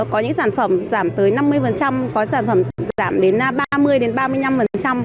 có những sản phẩm giảm tới năm mươi có sản phẩm giảm đến ba mươi đến ba mươi năm